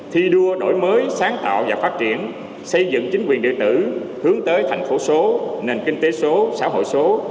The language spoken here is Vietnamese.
thi đua đổi mới sáng tạo và phát triển xây dựng chính quyền địa tử hướng tới thành phố số nền kinh tế số xã hội số